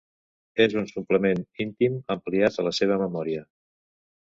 És un suplement íntim ampliat a la seva memòria.